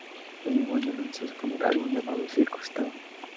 Ese mismo año lanzo su primer álbum llamado ""Circus Town"".